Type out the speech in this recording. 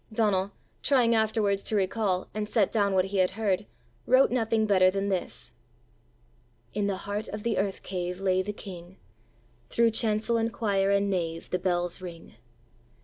Donal, trying afterwards to recall and set down what he had heard, wrote nothing better than this: In the heart of the earth cave Lay the king. Through chancel and choir and nave The bells ring.